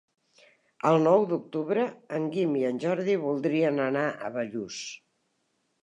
El nou d'octubre en Guim i en Jordi voldrien anar a Bellús.